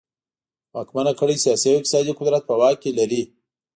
واکمنه کړۍ سیاسي او اقتصادي قدرت په واک کې لري.